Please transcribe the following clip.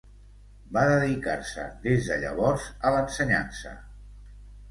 Va dedicar-se des de llavors a l'ensenyança.